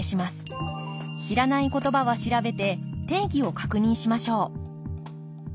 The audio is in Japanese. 知らないことばは調べて定義を確認しましょう